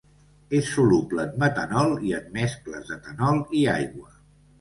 És soluble en metanol i en mescles d'etanol i aigua.